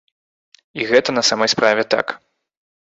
І гэта на самай справе так.